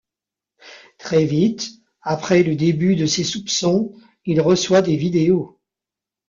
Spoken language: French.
Très vite, après le début de ses soupçons, il reçoit des vidéos.